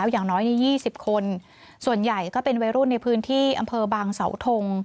อย่างน้อย๒๐คนส่วนใหญ่ก็เป็นวัยรุ่นในพื้นที่อำเภอบางเสาทง